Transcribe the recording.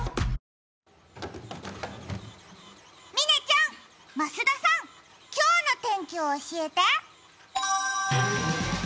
嶺さん、増田さん、今日の天気を教えて！